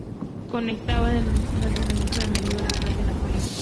Conectaban al nacionalismo con su enemigo: la Francia de Napoleón.